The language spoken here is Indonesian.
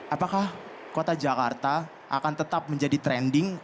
apakah kota jakarta akan tetap menjadi trending